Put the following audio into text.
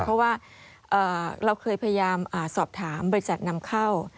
เพราะว่าเราเคยพยายามสอบถามบริษัทนำเข้า